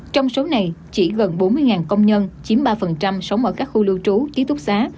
trong số này chỉ gần bốn mươi công nhân chiếm ba sống ở các khu lưu trú ký túc xá